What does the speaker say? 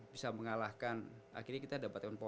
bisa mengalahkan akhirnya kita dapatkan